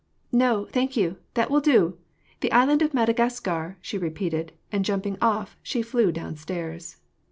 " No, thank you ! that will do ! The Island of Madagas car !" she repeated, and jumping off, she flew downstairs.